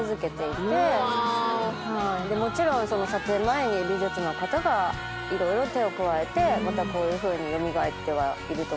でもちろん撮影前に美術の方が色々手を加えてまたこういうふうに蘇ってはいると思うんですけど。